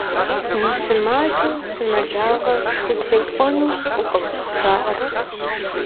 Умысымаджэу сымаджагъэ зытепӏуэну фӏыкъым, жаӏэрт.